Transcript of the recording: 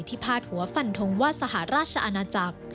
พาดหัวฟันทงว่าสหราชอาณาจักร